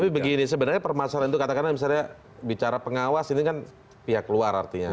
tapi begini sebenarnya permasalahan itu katakanlah misalnya bicara pengawas ini kan pihak luar artinya